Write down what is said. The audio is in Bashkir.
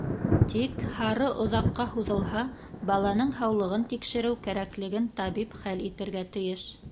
Тик һары оҙаҡҡа һуҙылһа, баланың һаулығын тикшереү кәрәклеген табип хәл итергә тейеш.